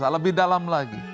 lebih dalam lagi